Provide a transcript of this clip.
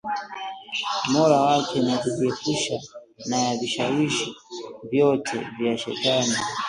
Mola wake na kujiepusha na vishawishi vyote vya shetani